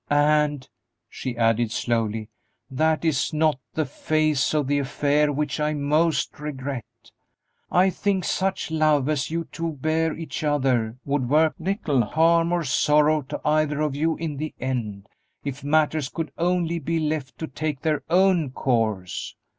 And," she added, slowly, "that is not the phase of the affair which I most regret. I think such love as you two bear each other would work little harm or sorrow to either of you in the end, if matters could only be left to take their own course.